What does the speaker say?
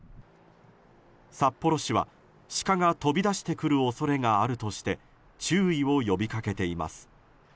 札幌市はシカが飛び出してくる恐れがあるとして注意を呼び掛けています。